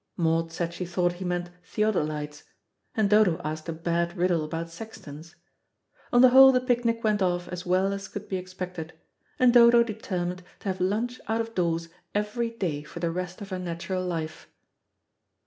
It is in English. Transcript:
Maud said she thought he meant theodolites, and Dodo asked a bad riddle about sextons. On the whole the picnic went off as well as could be expected, and Dodo determined to have lunch out of doors every day for the rest of her natural life.